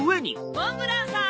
モンブランさん！